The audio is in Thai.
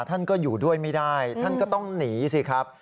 ท่านก็อยู่ด้วยไม่ได้ท่านก็ต้องหนีสิครับ